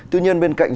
tuy nhiên bên cạnh